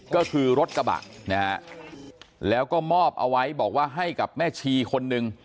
ก็คือรถกระบะนะฮะแล้วก็มอบเอาไว้บอกว่าให้กับแม่ชีคนหนึ่ง